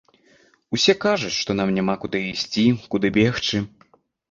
Усе кажуць, што нам няма куды ісці, куды бегчы.